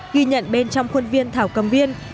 ghi nhận bên trong khuôn viên thảo cầm viên